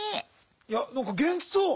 いやなんか元気そう。